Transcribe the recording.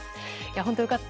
本当に良かった。